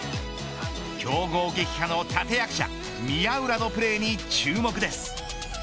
強豪撃破の立役者宮浦のプレーに注目です。